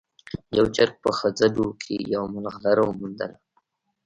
یو چرګ په خځلو کې یوه ملغلره وموندله.